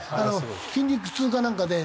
筋肉痛かなんかで。